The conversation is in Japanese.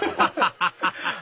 ハハハハ！